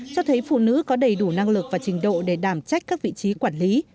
cho thấy phụ nữ có đầy đủ năng lực và trình độ để đảm trách các vị trí quản lý